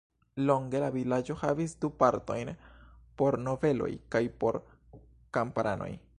Longe la vilaĝo havis du partojn, por nobeloj kaj por kamparanoj.